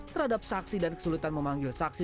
terhadap saksi dan kesulitan memanggil saksi